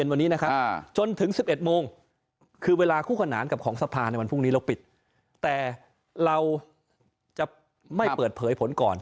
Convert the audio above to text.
เราจะปิดผลเนี่ย